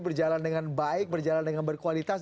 berjalan dengan baik berjalan dengan berkualitas